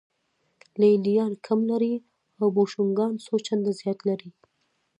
لې لیان کم لري او بوشونګان څو چنده زیات لري